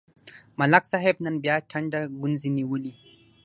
ملک صاحب نن بیا ټنډه ګونځې نیولې.